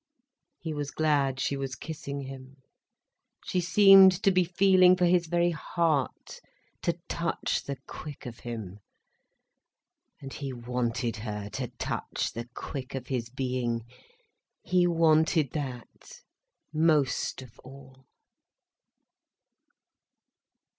He was glad she was kissing him. She seemed to be feeling for his very heart to touch the quick of him. And he wanted her to touch the quick of his being, he wanted that most of all.